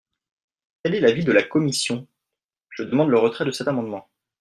Quel est l’avis de la commission ? Je demande le retrait de cet amendement.